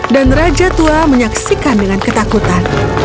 raja tua menyaksikan dengan ketakutan